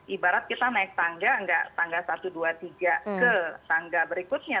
ibarat kita naik tangga nggak tanggal satu dua tiga ke tangga berikutnya